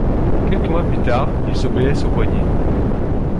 Quelques mois plus tard, il se blesse au poignet.